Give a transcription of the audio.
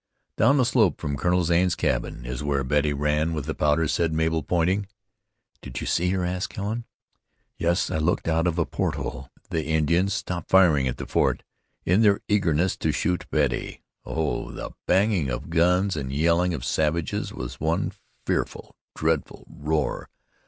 "Down that slope from Colonel Zane's cabin is where Betty ran with the powder," said Mabel, pointing. "Did you see her?" asked Helen. "Yes, I looked out of a port hole. The Indians stopped firing at the fort in their eagerness to shoot Betty. Oh, the banging of guns and yelling of savages was one fearful, dreadful roar!